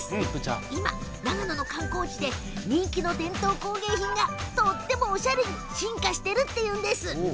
今、長野の観光地で人気の伝統工芸品がとてもおしゃれに進化しているというんです。